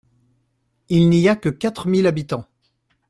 Il n’y a que quatre mille habitants.